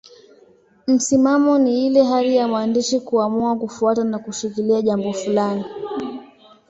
Msimamo ni ile hali ya mwandishi kuamua kufuata na kushikilia jambo fulani.